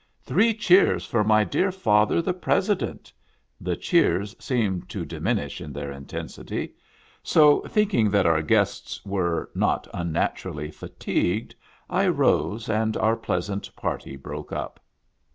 " Three cheers for my dear father, the President !" The cheers seemed to diminish in their intensity ; so, thinking that our guests were (not unnaturally) fatigued, I rose, and our pleasant party broke up.